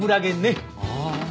ああ。